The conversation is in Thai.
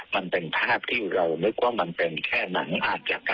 มันเป็นภาพที่เรานึกว่ามันเป็นแค่หนังอาจจะ